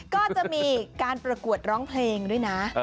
ก็จะมีการประกวดร้องเพลงด้วยนะ